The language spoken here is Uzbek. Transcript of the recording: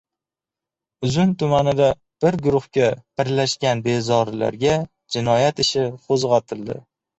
Uzun tumanida bir guruhga birlashgan bezorilarga jinoyat ishi qo‘zg‘atildi